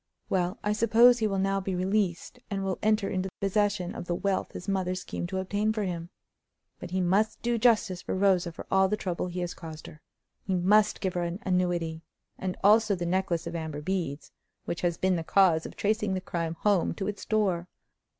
Well, I suppose he will now be released and will enter into possession of the wealth his mother schemed to obtain for him. But he must do justice to Rosa for all the trouble he has caused her. He must give her an annuity, and also the necklace of amber beads, which has been the cause of tracing the crime home to its door.